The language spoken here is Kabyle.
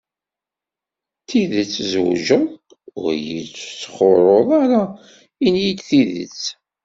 D tidet tzewǧeḍ? ur iyi-d-sxurruḍ ara, ini-d tidet.